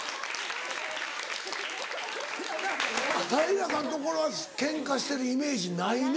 平さんところはケンカしてるイメージないね。